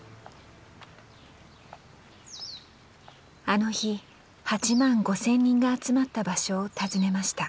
あの日８万５，０００人が集まった場所を訪ねました